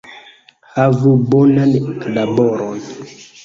Havu bonan laboron